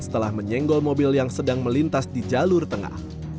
setelah menyenggol mobil yang sedang melintas di jalur tengah